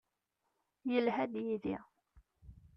Yelha-d yid-i.